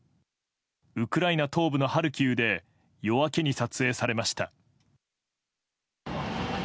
ウクライナ東部のハルキウで夜明けに撮影されました。